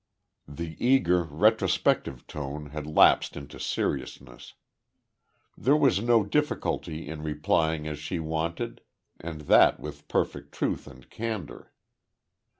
The eager, retrospective tone had lapsed into seriousness. There was no difficulty in replying as she wanted, and that with perfect truth and candour.